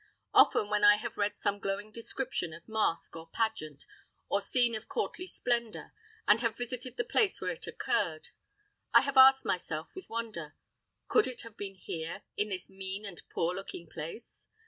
Often, when I have read some glowing description of mask or pageant, or scene of courtly splendor, and have visited the place where it occurred, I have asked myself, with wonder, "Could it have been here, in this mean and poor looking place?"